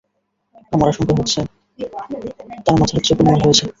আমার আশঙ্কা হচ্ছে, তার মাথার কিছু গোলমাল হয়েছে।